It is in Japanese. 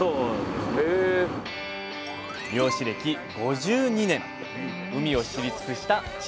漁師歴５２年海を知り尽くした父